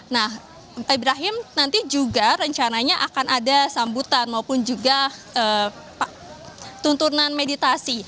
nah ibrahim nanti juga rencananya akan ada sambutan maupun juga tuntunan meditasi